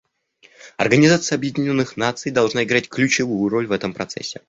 Организация Объединенных Наций должна играть ключевую роль в этом процессе.